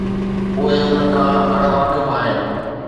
اهي ان کان اڻ واقف آهن.